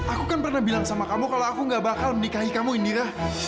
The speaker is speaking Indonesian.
aku kan pernah bilang sama kamu kalau aku gak bakal menikahi kamu indira